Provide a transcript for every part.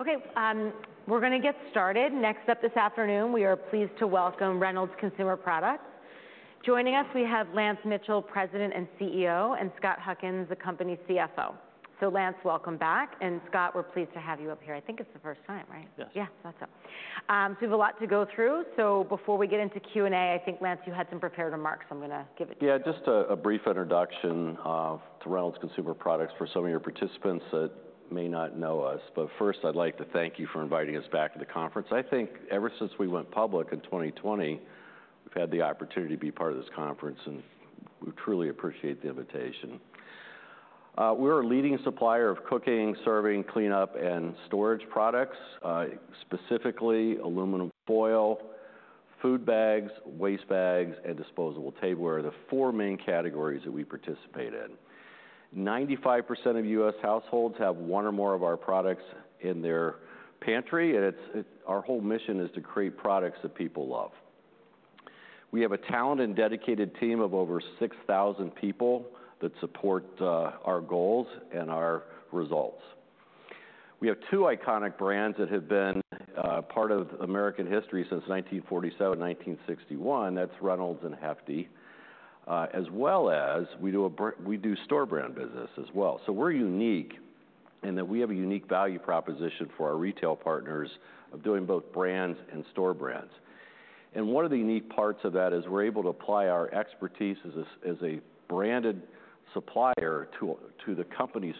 Okay, we're gonna get started. Next up this afternoon, we are pleased to welcome Reynolds Consumer Products. Joining us, we have Lance Mitchell, President and CEO, and Scott Huckins, the company's CFO. So Lance, welcome back, and Scott, we're pleased to have you up here. I think it's the first time, right? Yes. Yeah, thought so. So we have a lot to go through, so before we get into Q&A, I think, Lance, you had some prepared remarks, so I'm gonna give it to you. Yeah, just a brief introduction to Reynolds Consumer Products for some of your participants that may not know us. But first, I'd like to thank you for inviting us back to the conference. I think ever since we went public in 2020, we've had the opportunity to be part of this conference, and we truly appreciate the invitation. We're a leading supplier of cooking, serving, cleanup, and storage products, specifically aluminum foil, food bags, waste bags, and disposable tableware, are the four main categories that we participate in. 95% of U.S. households have one or more of our products in their pantry, and it's our whole mission is to create products that people love. We have a talented and dedicated team of over 6,000 people that support our goals and our results. We have two iconic brands that have been part of American history since 1947, 1961. That's Reynolds and Hefty, as well as we do store brand business as well. So we're unique in that we have a unique value proposition for our retail partners of doing both brands and store brands. And one of the unique parts of that is we're able to apply our expertise as a branded supplier to the company's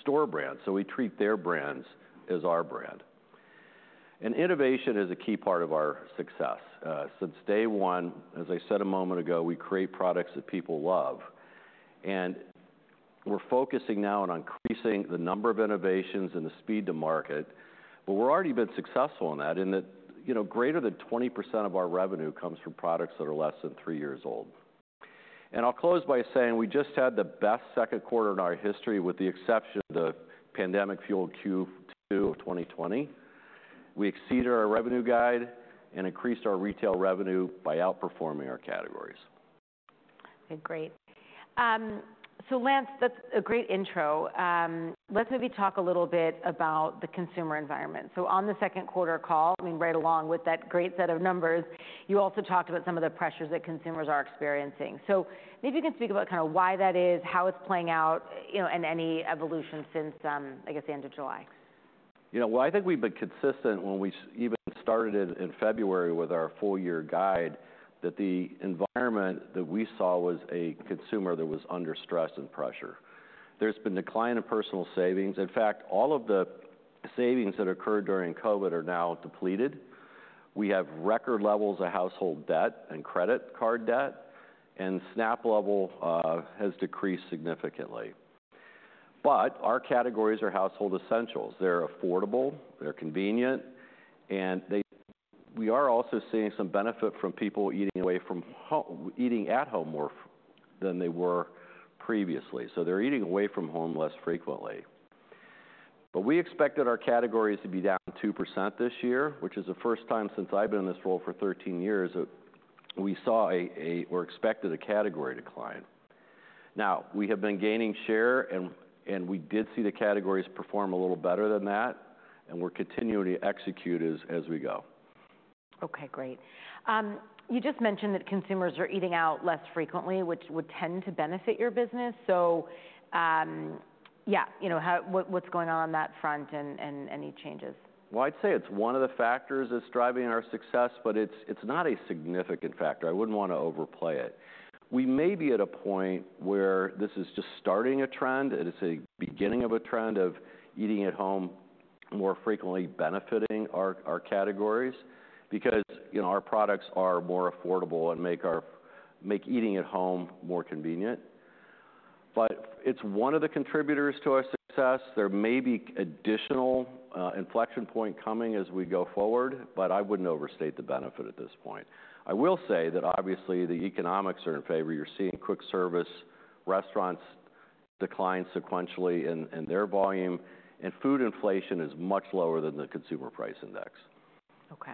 store brand, so we treat their brands as our brand. And innovation is a key part of our success. Since day one, as I said a moment ago, we create products that people love, and we're focusing now on increasing the number of innovations and the speed to market. But we're already been successful in that, you know, greater than 20% of our revenue comes from products that are less than three years old. And I'll close by saying we just had the best second quarter in our history, with the exception of the pandemic-fueled Q2 of 2020. We exceeded our revenue guide and increased our retail revenue by outperforming our categories. Okay, great. So Lance, that's a great intro. Let's maybe talk a little bit about the consumer environment. So on the second quarter call, I mean, right along with that great set of numbers, you also talked about some of the pressures that consumers are experiencing. So maybe you can speak about kinda why that is, how it's playing out, you know, and any evolution since, I guess, the end of July. You know well, I think we've been consistent when we even started in February with our full-year guide, that the environment that we saw was a consumer that was under stress and pressure. There's been decline in personal savings. In fact, all of the savings that occurred during COVID are now depleted. We have record levels of household debt and credit card debt, and SNAP level has decreased significantly. But our categories are household essentials. They're affordable, they're convenient, and they... We are also seeing some benefit from people eating at home more than they were previously, so they're eating away from home less frequently. But we expected our categories to be down 2% this year, which is the first time since I've been in this role for 13 years, that we saw or expected a category decline. Now, we have been gaining share, and we did see the categories perform a little better than that, and we're continuing to execute as we go. Okay, great. You just mentioned that consumers are eating out less frequently, which would tend to benefit your business. So, yeah, you know: how, what, what's going on on that front and any changes? I'd say it's one of the factors that's driving our success, but it's not a significant factor. I wouldn't want to overplay it. We may be at a point where this is just starting a trend, it is a beginning of a trend of eating at home more frequently benefiting our categories because, you know, our products are more affordable and make eating at home more convenient. But it's one of the contributors to our success. There may be additional inflection point coming as we go forward, but I wouldn't overstate the benefit at this point. I will say that obviously, the economics are in favor. You're seeing quick service restaurants decline sequentially in their volume, and food inflation is much lower than the Consumer Price Index. Okay.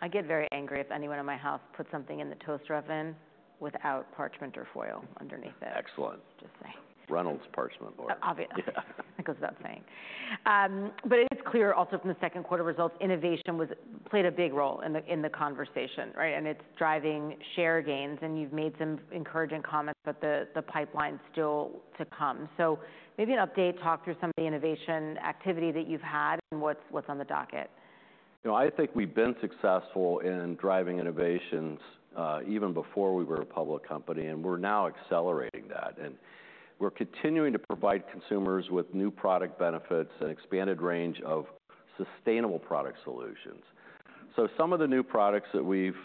I get very angry if anyone in my house puts something in the toaster oven without parchment or foil underneath it. Excellent. Just saying. Reynolds Parchment Obviously. Yeah. It goes without saying. But it is clear also from the second quarter results, innovation played a big role in the conversation, right? And it's driving share gains, and you've made some encouraging comments about the pipeline still to come. So maybe an update, talk through some of the innovation activity that you've had and what's on the docket. You know, I think we've been successful in driving innovations, even before we were a public company, and we're now accelerating that. And we're continuing to provide consumers with new product benefits and expanded range of sustainable product solutions. So some of the new products that we've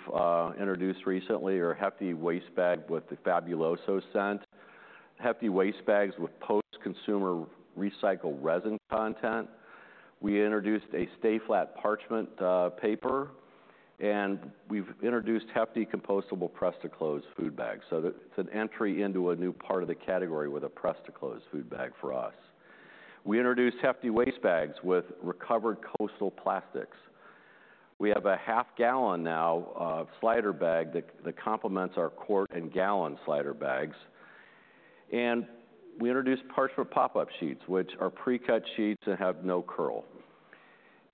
introduced recently are Hefty Waste Bags with the Fabuloso scent, Hefty Waste Bags with post-consumer recycled resin content. We introduced a Stay Flat parchment paper, and we've introduced Hefty Compostable Press to Close food bags. So it's an entry into a new part of the category with a Press to Close food bag for us. We introduced Hefty Waste Bags with recovered coastal plastics.... We have a half-gallon now of slider bag that complements our quart and gallon slider bags. And we introduced Parchment Pop-Up sheets, which are pre-cut sheets that have no curl.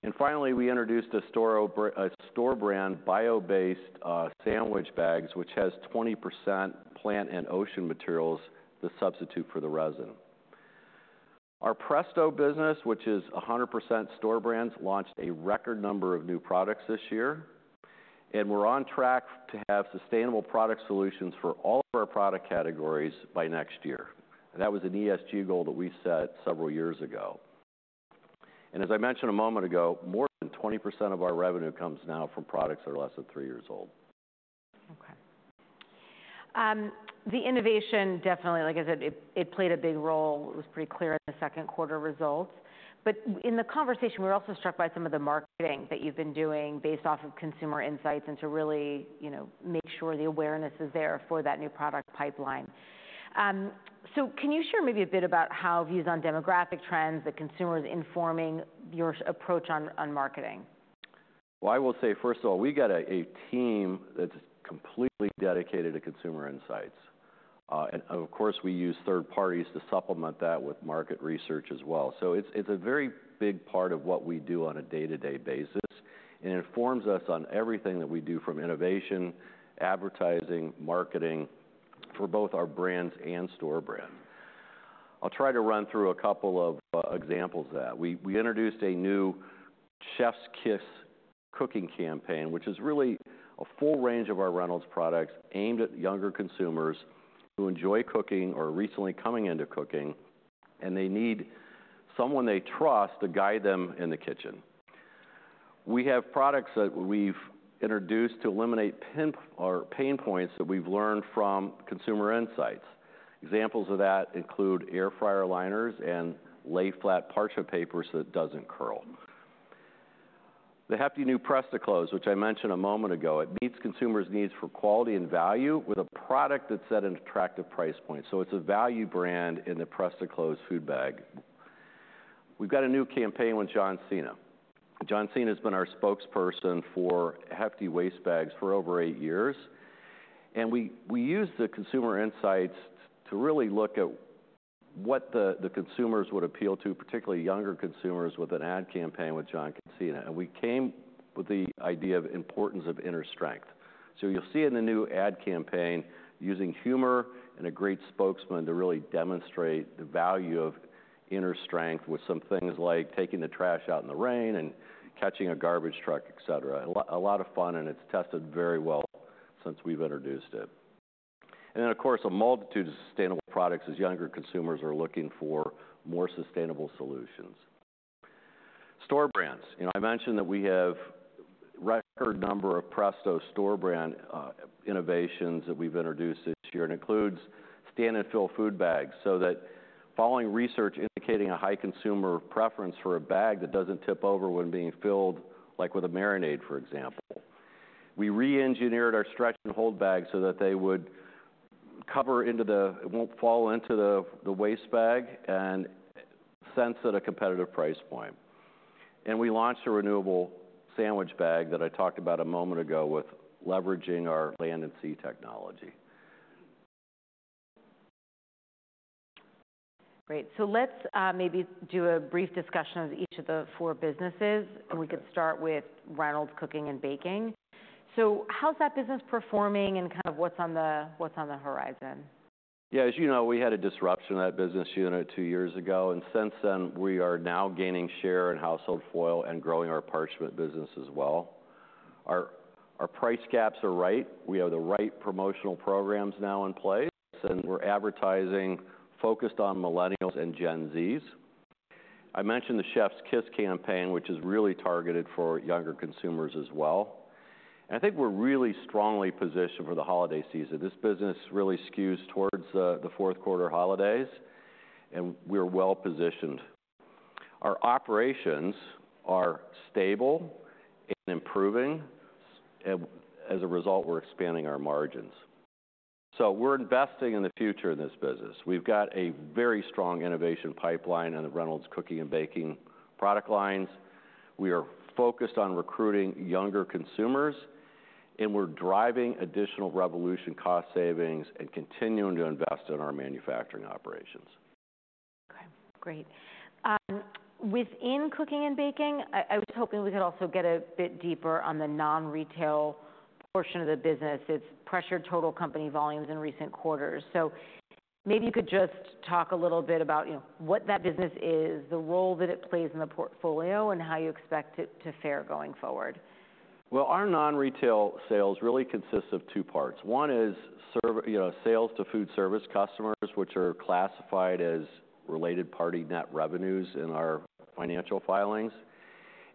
And finally, we introduced a store brand bio-based sandwich bags, which has 20% plant and ocean materials to substitute for the resin. Our Presto business, which is 100% store brands, launched a record number of new products this year, and we're on track to have sustainable product solutions for all of our product categories by next year. That was an ESG goal that we set several years ago. And as I mentioned a moment ago, more than 20% of our revenue comes now from products that are less than three years old. Okay. The innovation, definitely, like I said, it played a big role. It was pretty clear in the second quarter results. But in the conversation, we're also struck by some of the marketing that you've been doing based off of consumer insights, and to really, you know, make sure the awareness is there for that new product pipeline. So can you share maybe a bit about how views on demographic trends, the consumers informing your approach on, on marketing? I will say, first of all, we got a team that's completely dedicated to consumer insights, and of course, we use third parties to supplement that with market research as well. It's a very big part of what we do on a day-to-day basis, and it informs us on everything that we do, from innovation, advertising, marketing, for both our brands and store brand. I'll try to run through a couple of examples of that. We introduced a new Chef's Kiss cooking campaign, which is really a full range of our Reynolds products aimed at younger consumers who enjoy cooking or are recently coming into cooking, and they need someone they trust to guide them in the kitchen. We have products that we've introduced to eliminate pain points that we've learned from consumer insights. Examples of that include air fryer liners and lay flat parchment paper, so it doesn't curl. The Hefty new Press to Close, which I mentioned a moment ago, it meets consumers' needs for quality and value with a product that's at an attractive price point. So it's a value brand in the Press to Close Food Bag. We've got a new campaign with John Cena. John Cena's been our spokesperson for Hefty waste bags for over eight years, and we used the consumer insights to really look at what the consumers would appeal to, particularly younger consumers, with an ad campaign with John Cena, and we came with the idea of importance of inner strength. So you'll see in the new ad campaign, using humor and a great spokesman to really demonstrate the value of inner strength with some things like taking the trash out in the rain and catching a garbage truck, et cetera. A lot of fun, and it's tested very well since we've introduced it. And then, of course, a multitude of sustainable products as younger consumers are looking for more sustainable solutions. Store brands. You know, I mentioned that we have record number of Presto store brand innovations that we've introduced this year, and includes stand and fill food bags, so that following research indicating a high consumer preference for a bag that doesn't tip over when being filled, like with a marinade, for example. We re-engineered our stretch and hold bag so that it won't fall into the waste bag, and sells at a competitive price point. We launched a renewable sandwich bag that I talked about a moment ago with leveraging our land and sea technology. Great. So let's maybe do a brief discussion of each of the four businesses. Okay. We could start with Reynolds Cooking and Baking. How's that business performing, and kind of what's on the horizon? Yeah, as you know, we had a disruption in that business unit two years ago, and since then, we are now gaining share in household foil and growing our parchment business as well. Our price gaps are right. We have the right promotional programs now in place, and we're advertising focused on millennials and Gen Zs. I mentioned the Chef's Kiss campaign, which is really targeted for younger consumers as well. And I think we're really strongly positioned for the holiday season. This business really skews towards the fourth quarter holidays, and we're well-positioned. Our operations are stable and improving, and as a result, we're expanding our margins. So we're investing in the future of this business. We've got a very strong innovation pipeline in the Reynolds Cooking and Baking product lines. We are focused on recruiting younger consumers, and we're driving additional Revolution cost savings and continuing to invest in our manufacturing operations. Okay, great. Within cooking and baking, I was hoping we could also get a bit deeper on the non-retail portion of the business. It's pressured total company volumes in recent quarters. So maybe you could just talk a little bit about, you know, what that business is, the role that it plays in the portfolio, and how you expect it to fare going forward. Our non-retail sales really consists of two parts. One is, you know, sales to food service customers, which are classified as related party net revenues in our financial filings,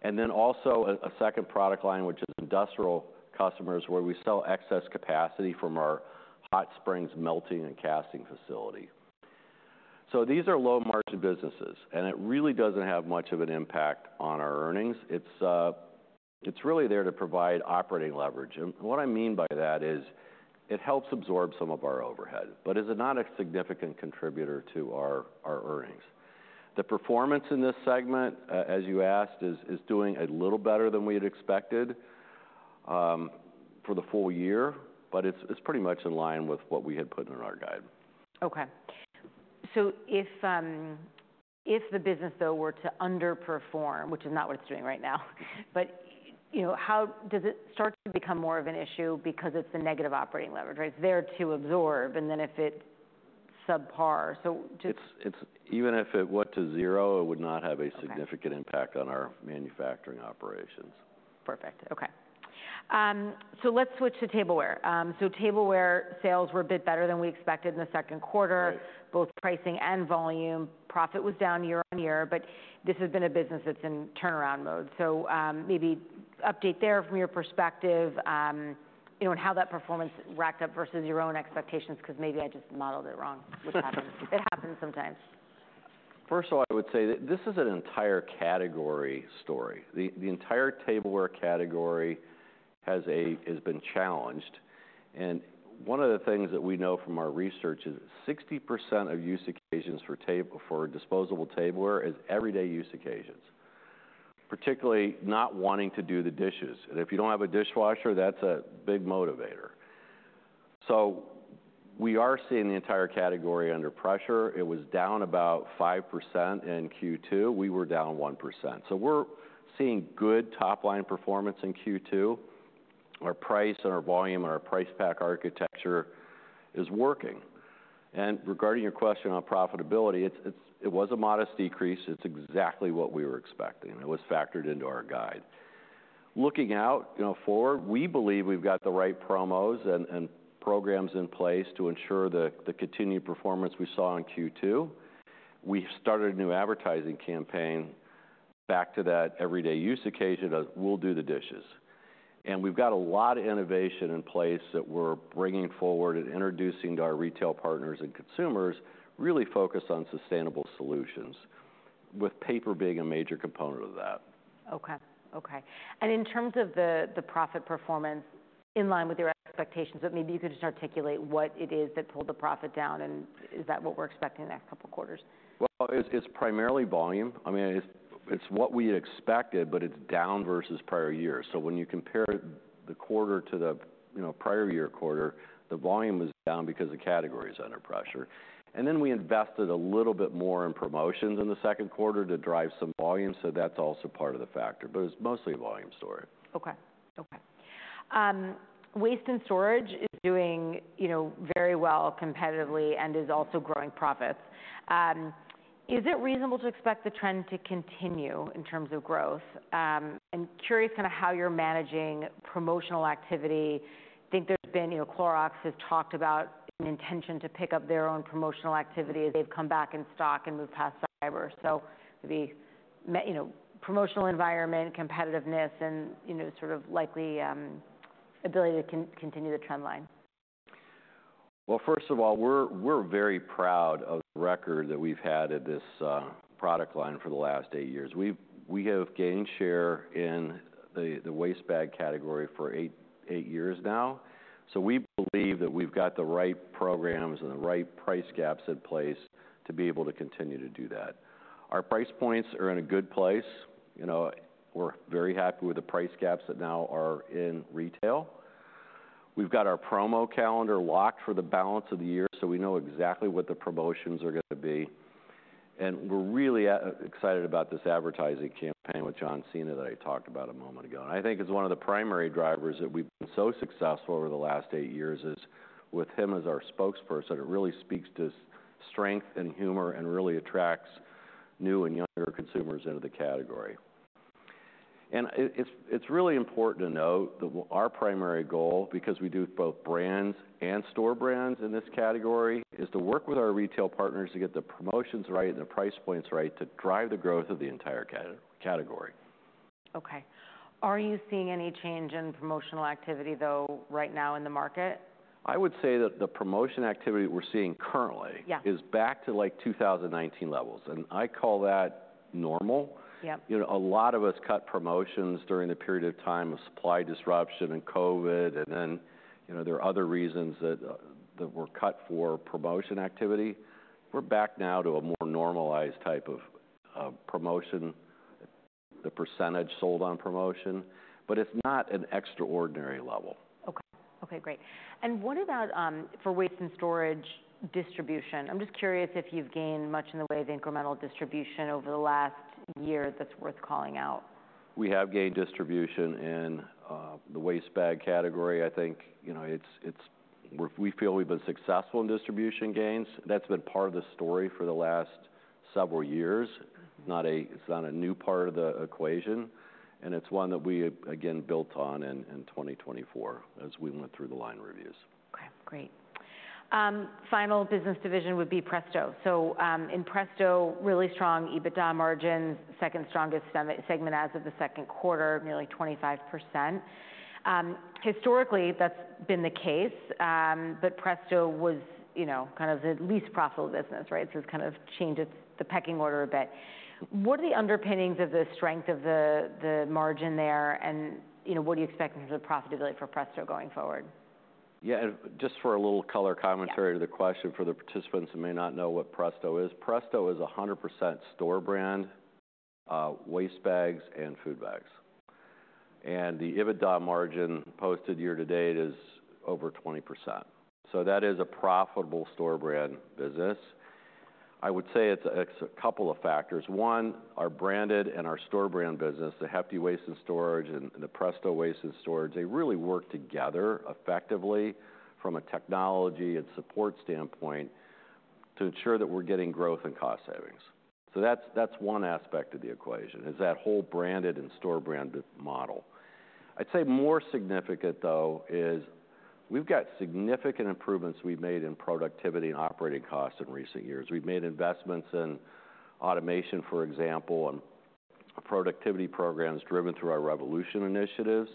and then also a second product line, which is industrial customers, where we sell excess capacity from our Hot Springs melting and casting facility. So these are low-margin businesses, and it really doesn't have much of an impact on our earnings. It's really there to provide operating leverage, and what I mean by that is it helps absorb some of our overhead, but is not a significant contributor to our earnings. The performance in this segment, as you asked, is doing a little better than we had expected, for the full year, but it's pretty much in line with what we had put in our guide. Okay. So if the business, though, were to underperform, which is not what it's doing right now, but you know, how does it start to become more of an issue because it's a negative operating leverage, right? It's there to absorb, and then if it's subpar. So just- It's even if it went to zero, it would not have a- Okay... significant impact on our manufacturing operations. Perfect. Okay. So let's switch to tableware. So tableware sales were a bit better than we expected in the second quarter. Right. Both pricing and volume. Profit was down year-on-year, but this has been a business that's in turnaround mode. So, maybe update there from your perspective, you know, and how that performance racked up versus your own expectations, because maybe I just modeled it wrong. Which happens. It happens sometimes. First of all, I would say that this is an entire category story. The entire tableware category has been challenged, and one of the things that we know from our research is 60% of use occasions for disposable tableware is everyday use occasions. Particularly, not wanting to do the dishes, and if you don't have a dishwasher, that's a big motivator. So we are seeing the entire category under pressure. It was down about 5% in Q2. We were down 1%, so we're seeing good top-line performance in Q2. Our price and our volume and our price pack architecture is working. And regarding your question on profitability, it was a modest decrease. It's exactly what we were expecting, and it was factored into our guide. Looking out, you know, forward, we believe we've got the right promos and programs in place to ensure the continued performance we saw in Q2. We started a new advertising campaign back to that everyday use occasion of, "We'll do the dishes," and we've got a lot of innovation in place that we're bringing forward and introducing to our retail partners and consumers, really focused on sustainable solutions, with paper being a major component of that. Okay. Okay. And in terms of the, the profit performance in line with your expectations, but maybe you could just articulate what it is that pulled the profit down, and is that what we're expecting in the next couple of quarters? It's primarily volume. I mean, it's what we expected, but it's down versus prior years. When you compare it, the quarter to the, you know, prior year quarter, the volume is down because the category is under pressure. Then we invested a little bit more in promotions in the second quarter to drive some volume, so that's also part of the factor, but it's mostly a volume story. Okay. Okay. Waste and storage is doing, you know, very well competitively and is also growing profits. Is it reasonable to expect the trend to continue in terms of growth? and curious kind of how you're managing promotional activity. I think there's been, you know, Clorox has talked about an intention to pick up their own promotional activity as they've come back in stock and moved past cyber. So, you know, promotional environment, competitiveness, and, you know, sort of likely ability to continue the trend line. First of all, we're very proud of the record that we've had at this product line for the last eight years. We have gained share in the waste bag category for eight years now, so we believe that we've got the right programs and the right price gaps in place to be able to continue to do that. Our price points are in a good place. You know, we're very happy with the price gaps that now are in retail. We've got our promo calendar locked for the balance of the year, so we know exactly what the promotions are going to be. And we're really excited about this advertising campaign with John Cena that I talked about a moment ago. And I think it's one of the primary drivers that we've been so successful over the last eight years is, with him as our spokesperson, it really speaks to his strength and humor and really attracts new and younger consumers into the category. And it's really important to note that our primary goal, because we do both brands and store brands in this category, is to work with our retail partners to get the promotions right and the price points right to drive the growth of the entire category. Okay. Are you seeing any change in promotional activity, though, right now in the market? I would say that the promotion activity we're seeing currently- Yeah... is back to, like, 2019 levels, and I call that normal. Yep. You know, a lot of us cut promotions during the period of time of supply disruption and COVID, and then, you know, there are other reasons that, that were cut for promotion activity. We're back now to a more normalized type of, promotion, the percentage sold on promotion, but it's not an extraordinary level. Okay. Okay, great. And what about, for waste and storage distribution? I'm just curious if you've gained much in the way of incremental distribution over the last year that's worth calling out. We have gained distribution in the waste bag category. I think, you know, it's... We feel we've been successful in distribution gains. That's been part of the story for the last several years. Mm-hmm. It's not a new part of the equation, and it's one that we again built on in 2024 as we went through the line reviews. Okay, great. Final business division would be Presto. So, in Presto, really strong EBITDA margins, second strongest segment as of the second quarter, nearly 25%. Historically, that's been the case, but Presto was, you know, kind of the least profitable business, right? So it's kind of changed it, the pecking order a bit. What are the underpinnings of the strength of the margin there, and, you know, what do you expect in terms of profitability for Presto going forward? Yeah, and just for a little color commentary- Yeah -to the question, for the participants who may not know what Presto is, Presto is a 100% store brand, waste bags and food bags. And the EBITDA margin posted year to date is over 20%, so that is a profitable store brand business. I would say it's a, it's a couple of factors. One, our branded and our store brand business, the Hefty waste and storage and, and the Presto waste and storage, they really work together effectively from a technology and support standpoint to ensure that we're getting growth and cost savings. So that's, that's one aspect of the equation, is that whole branded and store brand model. I'd say more significant though, is we've got significant improvements we've made in productivity and operating costs in recent years. We've made investments in automation, for example, and productivity programs driven through our revolution initiatives.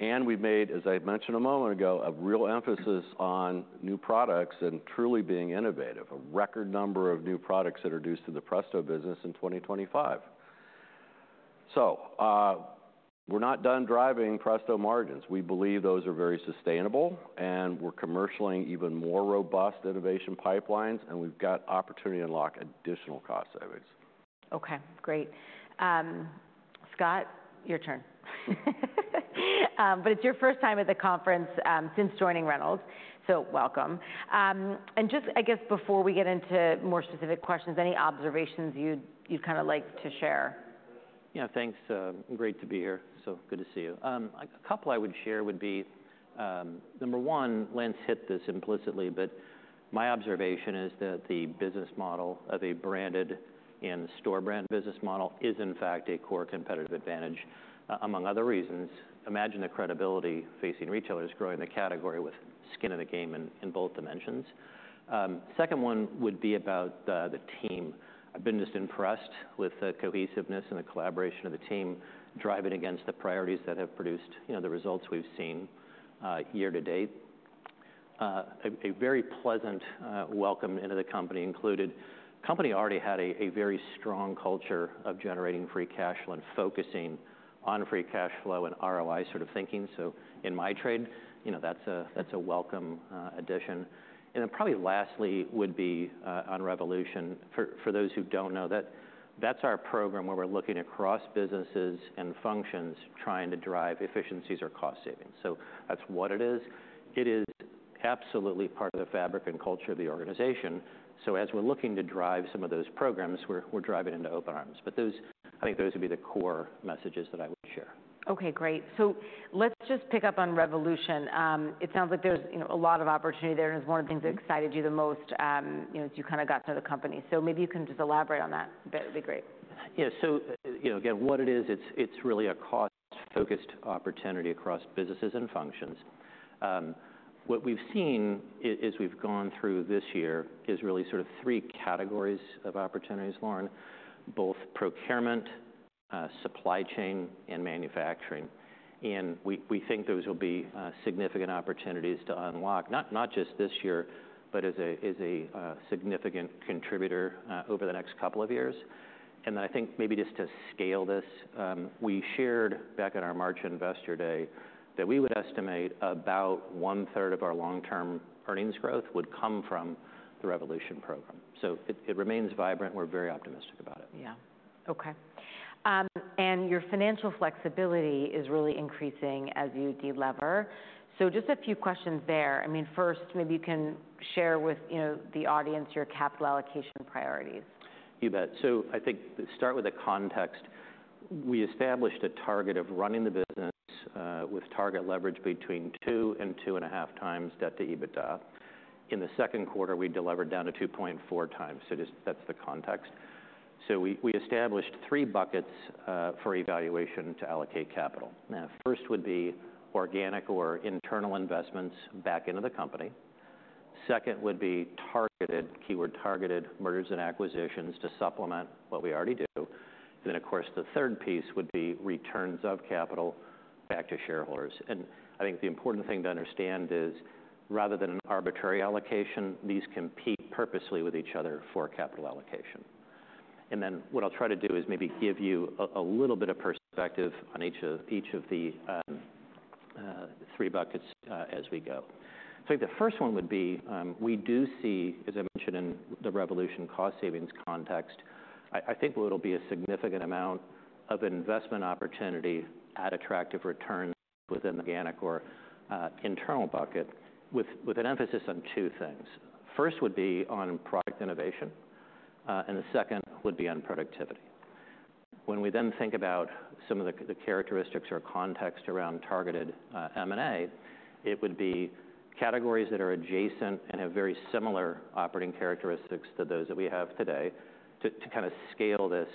And we've made, as I mentioned a moment ago, a real emphasis on new products and truly being innovative. A record number of new products introduced to the Presto business in 2025. So, we're not done driving Presto margins. We believe those are very sustainable, and we're commercially even more robust innovation pipelines, and we've got opportunity to unlock additional cost savings. Okay, great. Scott, your turn, but it's your first time at the conference since joining Reynolds, so welcome, and just, I guess, before we get into more specific questions, any observations you'd kind of like to share? Yeah, thanks, great to be here. So good to see you. A couple I would share would be, number one, Lance hit this implicitly, but my observation is that the business model of a branded and store brand business model is, in fact, a core competitive advantage, among other reasons. Imagine the credibility facing retailers growing the category with skin in the game in both dimensions. Second one would be about the team. I've been just impressed with the cohesiveness and the collaboration of the team, driving against the priorities that have produced, you know, the results we've seen, year to date. A very pleasant welcome into the company included. Company already had a very strong culture of generating free cash flow and focusing on free cash flow and ROI sort of thinking. So in my trade, you know, that's a welcome addition. And then probably lastly would be on Revolution. For those who don't know, that's our program where we're looking across businesses and functions, trying to drive efficiencies or cost savings. So that's what it is. It is absolutely part of the fabric and culture of the organization, so as we're looking to drive some of those programs, we're driving into open arms. But I think those would be the core messages that I would share. Okay, great. So let's just pick up on Revolution. It sounds like there's, you know, a lot of opportunity there, and it's one of the things that excited you the most, you know, as you kinda got to know the company. So maybe you can just elaborate on that, that'd be great. Yeah. So, you know, again, what it is, it's really a cost-focused opportunity across businesses and functions. What we've seen as we've gone through this year, is really sort of three categories of opportunities, Lauren: both procurement, supply chain, and manufacturing. And we think those will be significant opportunities to unlock, not just this year, but as a significant contributor over the next couple of years. And then I think maybe just to scale this, we shared back in our March Investor Day, that we would estimate about one third of our long-term earnings growth would come from the Revolution program, so it remains vibrant. We're very optimistic about it. Yeah. Okay, and your financial flexibility is really increasing as you de-lever, so just a few questions there. I mean, first, maybe you can share with, you know, the audience, your capital allocation priorities. You bet. I think to start with the context, we established a target of running the business with target leverage between 2 and 2.5x debt to EBITDA. In the second quarter, we delivered down to 2.4x. That's the context. We established three buckets for evaluation to allocate capital. Now, first would be organic or internal investments back into the company. Second would be targeted, key word, targeted mergers and acquisitions to supplement what we already do. Then, of course, the third piece would be returns of capital back to shareholders. I think the important thing to understand is, rather than an arbitrary allocation, these compete purposely with each other for capital allocation. And then what I'll try to do is maybe give you a little bit of perspective on each of the three buckets as we go. I think the first one would be we do see, as I mentioned in the Revolution cost savings context, I think what will be a significant amount of investment opportunity at attractive returns within the organic or internal bucket, with an emphasis on two things. First, would be on product innovation and the second would be on productivity. When we then think about some of the characteristics or context around targeted M&A, it would be categories that are adjacent and have very similar operating characteristics to those that we have today. To kind of scale this,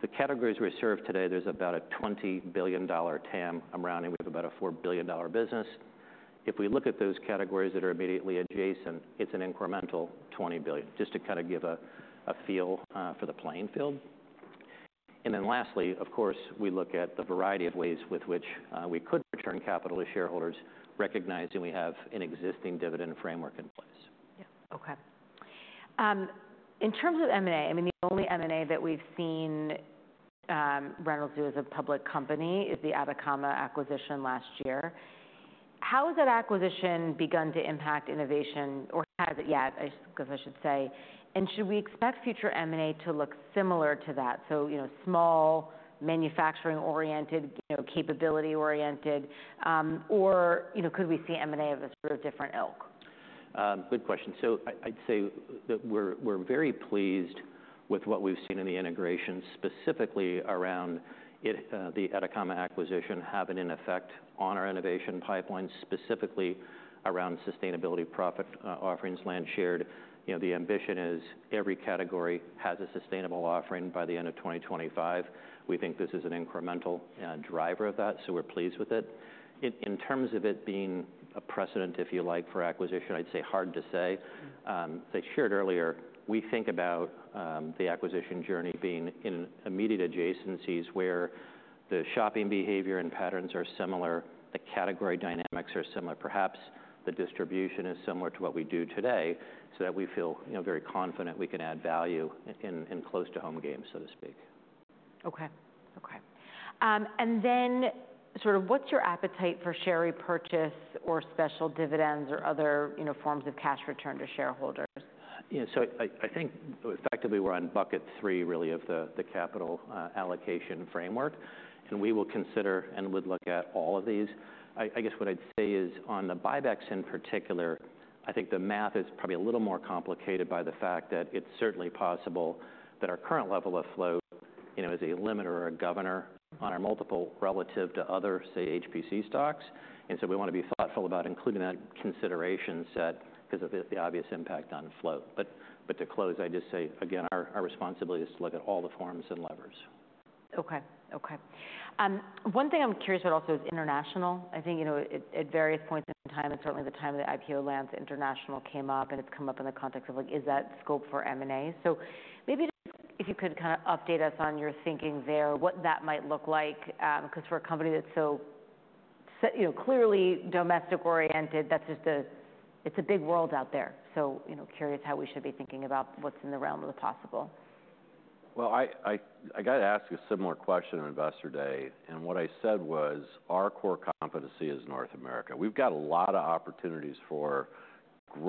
the categories we serve today, there's about a $20 billion TAM. I'm rounding with about a $4 billion business. If we look at those categories that are immediately adjacent, it's an incremental $20 billion, just to kind of give a feel for the playing field. Then lastly, of course, we look at the variety of ways with which we could return capital to shareholders, recognizing we have an existing dividend framework in place. Yeah. Okay. In terms of M&A, I mean, the only M&A that we've seen, Reynolds do as a public company is the Atacama acquisition last year. How has that acquisition begun to impact innovation, or has it yet, I guess I should say, and should we expect future M&A to look similar to that, so, you know, small, manufacturing-oriented, you know, capability-oriented, or, you know, could we see M&A of a sort of different ilk? Good question. So I'd say that we're very pleased with what we've seen in the integration, specifically around it, the Atacama acquisition, having an effect on our innovation pipeline, specifically around sustainability product offerings, and shared. You know, the ambition is every category has a sustainable offering by the end of 2025. We think this is an incremental driver of that, so we're pleased with it. In terms of it being a precedent, if you like, for acquisition, I'd say hard to say. Mm-hmm. As I shared earlier, we think about the acquisition journey being in immediate adjacencies, where the shopping behavior and patterns are similar, the category dynamics are similar. Perhaps the distribution is similar to what we do today, so that we feel, you know, very confident we can add value in close to home games, so to speak. Okay, okay. And then sort of what's your appetite for share repurchase or special dividends or other, you know, forms of cash return to shareholders? Yeah, so I think effectively we're on bucket three, really, of the capital allocation framework, and we will consider and would look at all of these. I guess what I'd say is, on the buybacks in particular, I think the math is probably a little more complicated by the fact that it's certainly possible that our current level of flow, you know, is a limiter or a governor on our multiple, relative to other, say, HPC stocks, and so we want to be thoughtful about including that consideration set because of the obvious impact on flow. But to close, I'd just say again, our responsibility is to look at all the forms and levers. Okay, okay. One thing I'm curious about also is international. I think, you know, at various points in time, and certainly the time of the IPO launch, international came up, and it's come up in the context of, like, is that scope for M&A? So maybe if you could kind of update us on your thinking there, what that might look like, because for a company that's so set. You know, clearly domestic-oriented, that's just a. It's a big world out there, so, you know, curious how we should be thinking about what's in the realm of the possible. Well, I got to ask a similar question on Investor Day, and what I said was, our core competency is North America. We've got a lot of opportunities for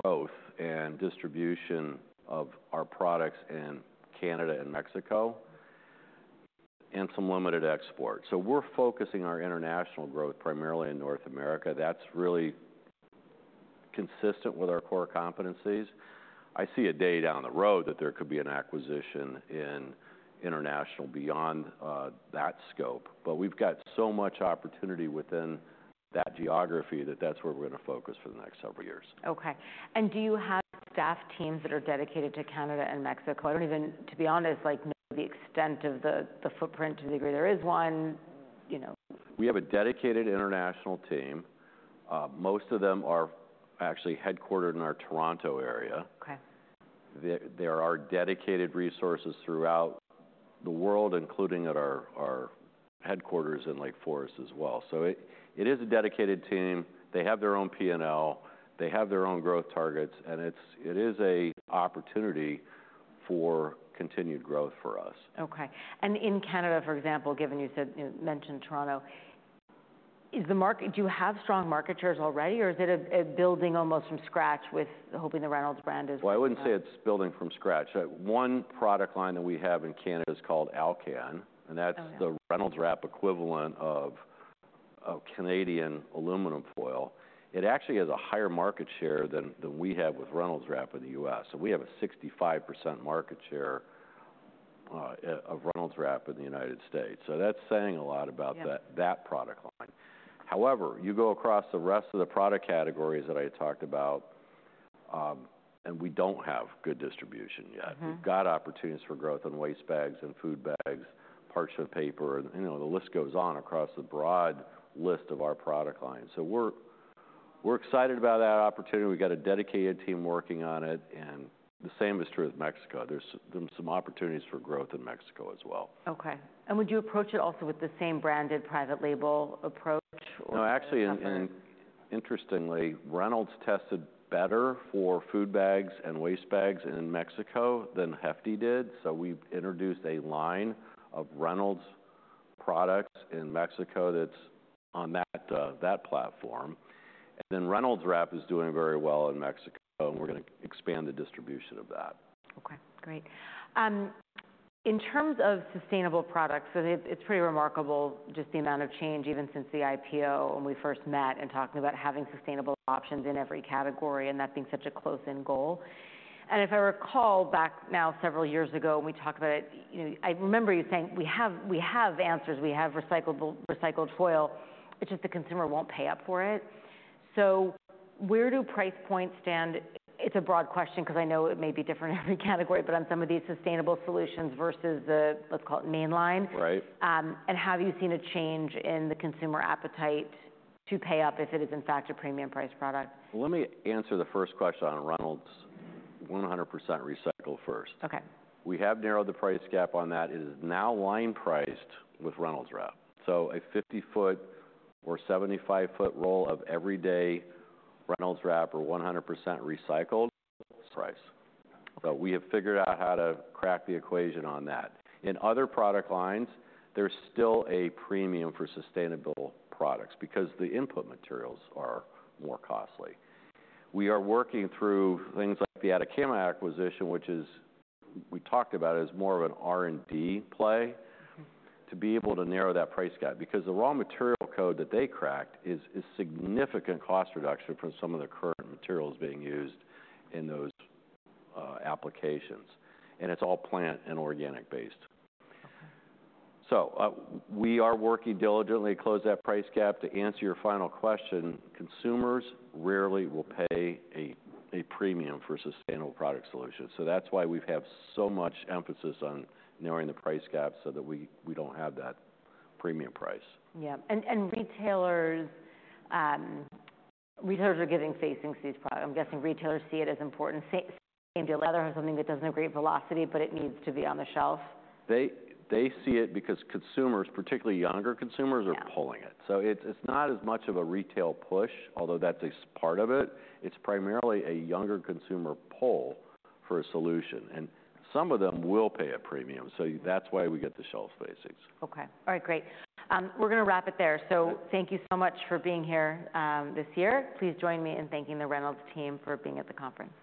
growth and distribution of our products in Canada and Mexico, and some limited export. So we're focusing our international growth primarily in North America. That's really consistent with our core competencies. I see a day down the road that there could be an acquisition in international beyond that scope, but we've got so much opportunity within that geography, that that's where we're gonna focus for the next several years. Okay, and do you have staff teams that are dedicated to Canada and Mexico? I don't even, to be honest, like, know the extent of the footprint to the degree. There is one, you know. We have a dedicated international team. Most of them are actually headquartered in our Toronto area. Okay. There are dedicated resources throughout the world, including at our headquarters in Lake Forest as well. So it is a dedicated team. They have their own P&L, they have their own growth targets, and it is an opportunity for continued growth for us. Okay, and in Canada, for example, given you said, you know, mentioned Toronto, is the market... Do you have strong market shares already, or is it a building almost from scratch with hoping the Reynolds brand is- I wouldn't say it's building from scratch. One product line that we have in Canada is called Alcan- Oh, yeah. And that's the Reynolds Wrap equivalent of Canadian aluminum foil. It actually has a higher market share than we have with Reynolds Wrap in the U.S. So we have a 65% market share of Reynolds Wrap in the United States, so that's saying a lot about that. Yeah... that product line. However, you go across the rest of the product categories that I talked about, and we don't have good distribution yet. Mm-hmm. We've got opportunities for growth in waste bags and food bags, parchment paper, and, you know, the list goes on across the broad list of our product lines. So we're excited about that opportunity. We've got a dedicated team working on it, and the same is true with Mexico. There's some opportunities for growth in Mexico as well. Okay, and would you approach it also with the same branded private label approach or? No, actually, and interestingly, Reynolds tested better for food bags and waste bags in Mexico than Hefty did, so we've introduced a line of Reynolds products in Mexico that's on that platform. And then Reynolds Wrap is doing very well in Mexico, and we're gonna expand the distribution of that. Okay, great. In terms of sustainable products, it's pretty remarkable, just the amount of change, even since the IPO when we first met and talking about having sustainable options in every category and that being such a close-in goal. And if I recall back now, several years ago, when we talked about it, you know, I remember you saying, "We have, we have answers, we have recyclable-recycled foil. It's just the consumer won't pay up for it." So where do price points stand? It's a broad question, because I know it may be different in every category, but on some of these sustainable solutions versus the, let's call it, mainline- Right. And have you seen a change in the consumer appetite to pay up if it is in fact a premium price product? Let me answer the first question on Reynolds' 100% recycle first. Okay. We have narrowed the price gap on that. It is now line priced with Reynolds Wrap, so a 50-foot or 75-foot roll of everyday Reynolds Wrap or 100% recycled price. So we have figured out how to crack the equation on that. In other product lines, there's still a premium for sustainable products because the input materials are more costly. We are working through things like the Atacama acquisition, which is, we talked about, is more of an R&D play- Mm-hmm ... to be able to narrow that price gap, because the raw material code that they cracked is significant cost reduction from some of the current materials being used in those applications, and it's all plant- and organic-based. So, we are working diligently to close that price gap. To answer your final question, consumers rarely will pay a premium for sustainable product solutions, so that's why we have so much emphasis on narrowing the price gap so that we don't have that premium price. Yeah, and retailers are giving facings to these products. I'm guessing retailers see it as important. Same deal, latter, or something that doesn't have great velocity, but it needs to be on the shelf. They see it because consumers, particularly younger consumers- Yeah are pulling it. So it's, it's not as much of a retail push, although that's a part of it. It's primarily a younger consumer pull for a solution, and some of them will pay a premium, so that's why we get the shelf facings. Okay. All right, great. We're gonna wrap it there. Okay. So thank you so much for being here this year. Please join me in thanking the Reynolds team for being at the conference.